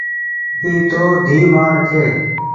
اي تو ڌيئي مآڙ ڇي۔